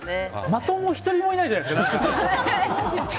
まともな人１人もいないじゃないですか。